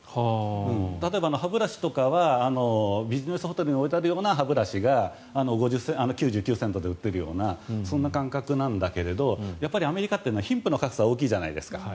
例えば歯ブラシとかはビジネスホテルに置いてあるような歯ブラシが９９セントで売っているようなそんな感覚だけどやっぱりアメリカというのは貧富の格差が大きいじゃないですか。